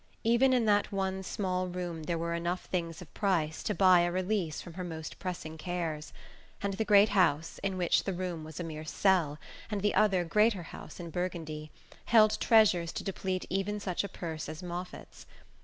Even in that one small room there were enough things of price to buy a release from her most pressing cares; and the great house, in which the room was a mere cell, and the other greater house in Burgundy, held treasures to deplete even such a purse as Moffatt's.